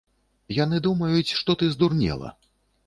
Яны думаюць, што ты здурнела.